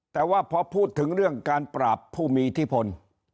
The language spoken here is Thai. แต่ว่าพอพูดถึงเรื่องการปราบผู้มีอิทธิพล